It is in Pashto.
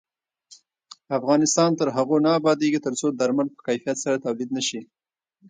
افغانستان تر هغو نه ابادیږي، ترڅو درمل په کیفیت سره تولید نشي.